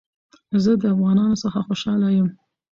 زه د افغانانو څخه خوشحاله يم